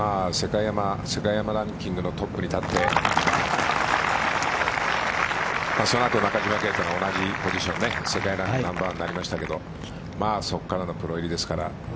世界アマランキングのトップに立ってそのあと世界ランクの中島啓太がナンバーワンになりましたけどそこからのプロ入りですから。